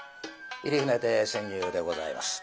入船亭扇遊でございます。